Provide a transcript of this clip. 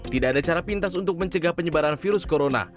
tidak ada cara pintas untuk mencegah penyebaran virus corona